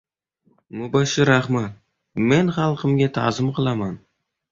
Mubashshir Ahmad: "Men xalqimga ta’zim qilaman"